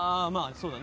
そうだね